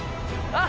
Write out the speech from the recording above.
あ！